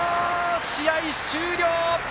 試合終了！